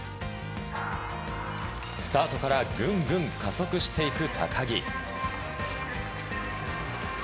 スタートからぐんぐん加速していく高木。